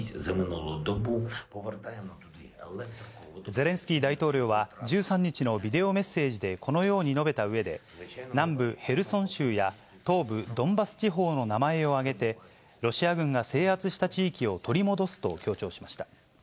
ゼレンスキー大統領は、１３日のビデオメッセージでこのように述べたうえで、南部ヘルソン州や、東部ドンバス地方の名前を挙げて、ロシア軍が制圧した地域を取り戻すと強調しました。